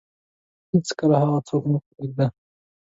هیڅکله هغه څوک مه پرېږده